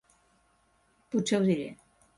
Potser ho diré.